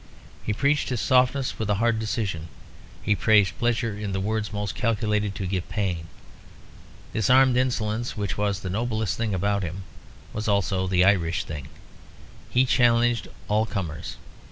He preached his softness with hard decision; he praised pleasure in the words most calculated to give pain. This armed insolence, which was the noblest thing about him, was also the Irish thing; he challenged all comers.